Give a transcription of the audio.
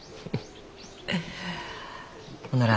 ほんなら。